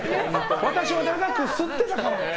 私は長く吸ってたから。